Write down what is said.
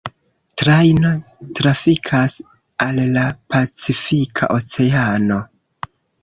Trajno trafikas al la Pacifika oceano.